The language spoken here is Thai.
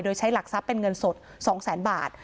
โดยใช้หลักทรัพย์เป็นเงินสด๒แสนบาท